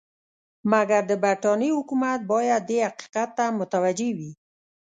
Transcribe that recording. مګر د برټانیې حکومت باید دې حقیقت ته متوجه وي.